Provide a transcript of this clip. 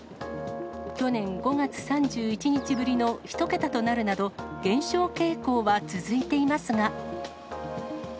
去年５月３１日ぶりの１桁となるなど、減少傾向は続いていますが。